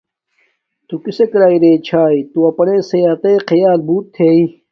کسک تو راݵ رے چھاݵ تو اپناݵ صحتݵ خیال بوتل تےݵ۔